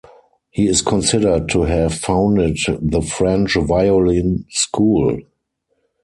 He is considered to have founded the French violin school.